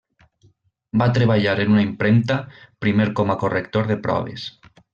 Va treballar en una impremta, primer com a corrector de proves.